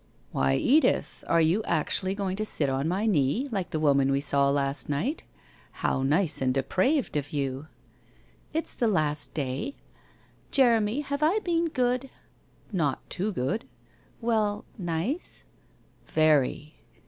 ' Why, Edith, are you actually going to sit on my knee like the woman we saw last night? How nice and de praved of you !'' It's the last day. Jeremy, have I been good ?' Not too good.' 'Well, nice?' 'Very!'